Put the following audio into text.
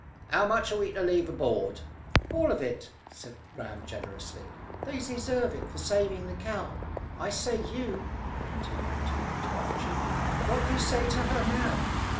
How much are we to leave aboard?" "All of it," said Ram generously; "they deserve it for saving the cow. I say, you," he continued, turning to Archy, "what do you say to her now?"